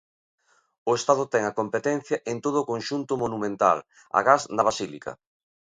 O Estado ten a competencia en todo o conxunto monumental, agás na basílica.